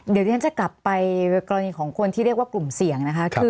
เดี๋ยวที่ฉันจะกลับไปกรณีของคนที่เรียกว่ากลุ่มเสี่ยงนะคะ